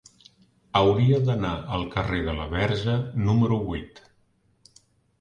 Hauria d'anar al carrer de la Verge número vuit.